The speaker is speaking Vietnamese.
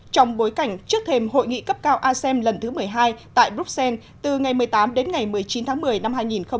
trong bối cảnh trước thêm hội nghị cấp cao asem lần thứ một mươi hai tại bruxelles từ ngày một mươi tám đến ngày một mươi chín tháng một mươi năm hai nghìn một mươi chín